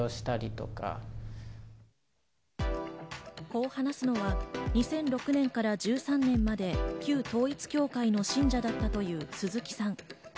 こう話すのは２００６年から１３年まで旧統一教会の信者だったという鈴木さん。